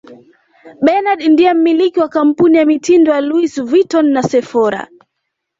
Bernard ndiye mmiliki wa kampuni ya mitindo ya Louis Vuitton na Sephora